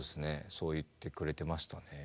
そう言ってくれてましたね。